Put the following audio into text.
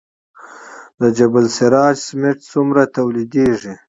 د جبل السراج سمنټ څومره تولیدیږي؟